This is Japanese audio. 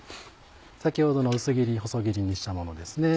先ほどの薄切り細切りにしたものですね。